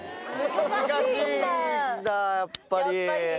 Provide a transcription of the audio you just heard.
難しいんだやっぱり！